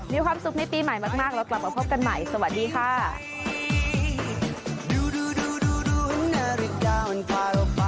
มีความสุขในปีใหม่มากเรากลับมาพบกันใหม่สวัสดีค่ะ